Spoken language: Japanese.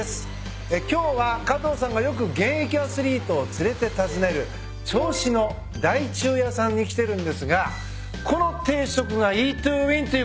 今日は加藤さんがよく現役アスリートを連れて訪ねる銚子の大忠家さんに来てるんですがこの定食がＥＡＴＴＯＷＩＮっていうことですか？